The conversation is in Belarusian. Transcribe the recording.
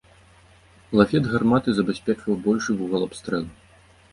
Лафет гарматы забяспечваў большы вугал абстрэлу.